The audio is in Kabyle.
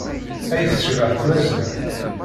Ay tecbeḥ tmaziɣt!